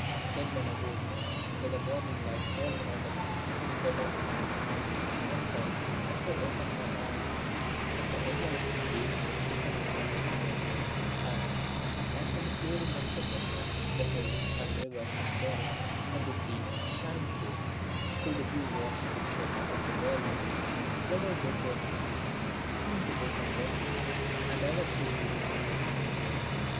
Then when I woke with the morning light falling on that unscreened bed of mine, I felt, as I opened my eyes, that my enveloping haze was becoming transparent; and, as on the clearing of the mist the hills and rivers and forests of the scene shine forth, so the dew washed picture of the world life, spread out before me, seemed to become renewed and ever so beautiful.